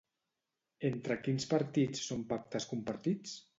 Entre quins partits són pactes compartits?